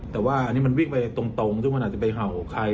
แต่ว่าอันนี้มันวิ่งไปตรงซึ่งมันอาจจะไปเห่าใคร